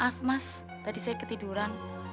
maaf mas tadi saya ketiduran